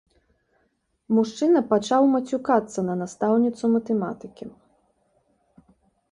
Мужчына пачаў мацюкацца на настаўніцу матэматыкі.